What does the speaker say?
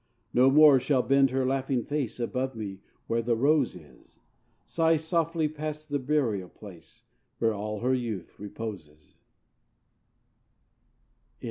No more shall bend her laughing face Above me where the rose is! Sigh softly past the burial place, Where all her youth reposes!